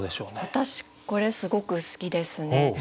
私これすごく好きですね。